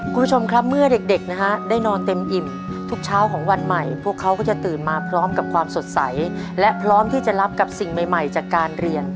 คุณผู้ชมครับเมื่อเด็กนะฮะได้นอนเต็มอิ่มทุกเช้าของวันใหม่พวกเขาก็จะตื่นมาพร้อมกับความสดใสและพร้อมที่จะรับกับสิ่งใหม่จากการเรียน